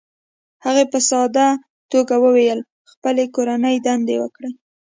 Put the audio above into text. هغې په ساده توګه وویل: "خپله کورنۍ دنده وکړئ،